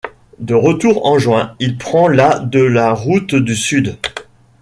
De retour en juin, il prend la de la Route du Sud.